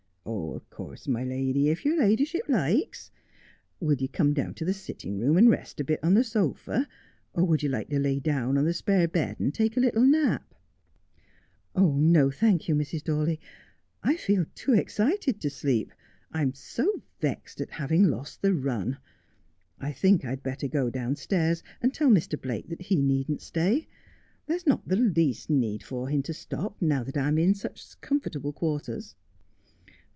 ' Of course, my lady, if your ladyship likes. Will you come down to the sitting room and rest a bit on the sofa, or would you like to lie down on the spare bed and take a little nap 1 '' No, thank you, Mrs. Dawley, I feel too excited to sleep. I'm so vexed at having lost the run. I think I'd better go downstairs Link by Link 115 and tell Mr. Blake that he needn't stay. There's not the least need for him to stop now that I am in such comfortable quarters.'